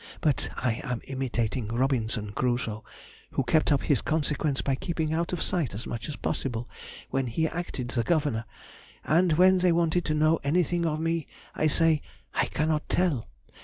But I am imitating Robinson Crusoe, who kept up his consequence by keeping out of sight as much as possible when he acted the governor, and when they want to know anything of me, I say I cannot tell!...